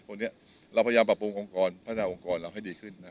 วันนี้เราพยายามปรับปรุงองค์กรพัฒนาองค์กรเราให้ดีขึ้น